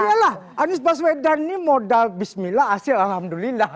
iyalah anies baswedan ini modal bismillah hasil alhamdulillah